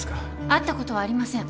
会ったことはありません。